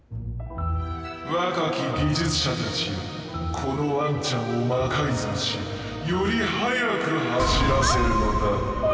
若き技術者たちよこのワンちゃんを魔改造しより速く走らせるのだ。